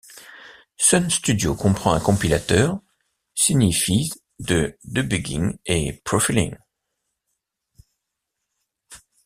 Sun Studio comprend un compilateur, signifies de debugging et profiling.